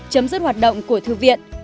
chấm dứt hoạt động của thư viện